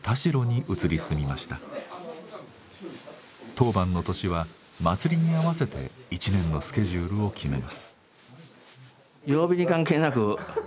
当番の年は祭りに合わせて１年のスケジュールを決めます。